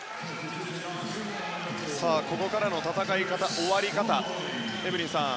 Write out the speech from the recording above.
ここからの戦い方、終わり方がエブリンさん